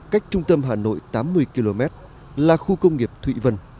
cách trung tâm hà nội tám mươi km là khu công nghiệp thụy vân